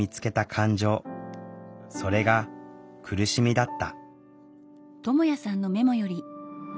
それが「苦しみ」だった。